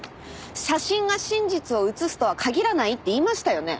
写真が真実を写すとは限らないって言いましたよね？